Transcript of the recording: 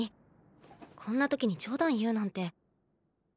こんな時に冗談言うなんて。！